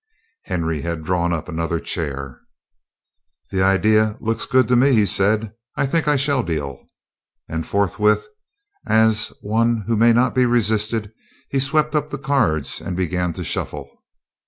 Henry had drawn up another chair. "That idea looks good to me," he said. "I think I shall deal." And forthwith, as one who may not be resisted, he swept up the cards and began to shuffle.